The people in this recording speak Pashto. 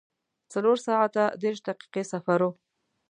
څلور ساعته دېرش دقیقې سفر و.